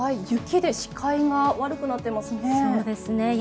雪で視界が悪くなっていますね。